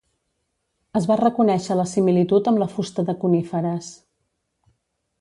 Es va reconèixer la similitud amb la fusta de coníferes.